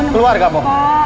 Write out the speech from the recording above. keluar gak mau